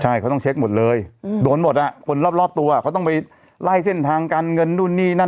ใช่เขาต้องเช็คหมดเลยโดนหมดอ่ะคนรอบตัวเขาต้องไปไล่เส้นทางการเงินนู่นนี่นั่น